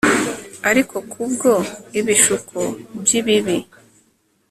Ariko kubwo ibishuko byibibi